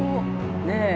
◆ねえ。